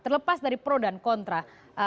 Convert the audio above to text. terlepas dari pro dan kontra